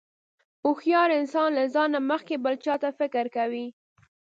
هوښیار انسان له ځان نه مخکې بل چاته فکر کوي.